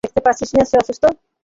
দেখতে পাচ্ছিস না সে অসুস্থ!